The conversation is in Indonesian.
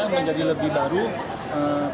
atau bisa dikeluarkan ke bank indonesia